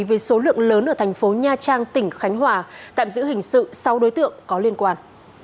với số lượng lớn ở thành phố nha trang tỉnh khánh hòa tạm giữ hình sự sáu đối tượng có liên quan